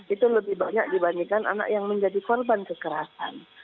itu lebih banyak dibandingkan anak yang menjadi korban kekerasan